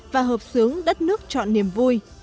và hợp xướng đất nước chọn niềm vui